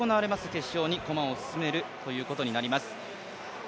決勝に駒を進めるということになります。